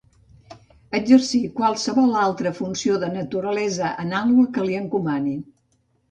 Exercir qualsevol altra funció de naturalesa anàloga que li encomanin.